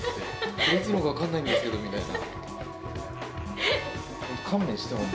これ、いつのか分かんないんですけどみたいな。